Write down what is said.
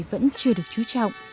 vẫn chưa được chú trọng